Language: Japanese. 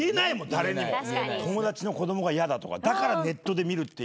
誰にも友達の子どもが嫌だとかだからネットで見るっていう。